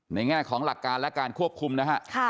แง่ของหลักการและการควบคุมนะฮะ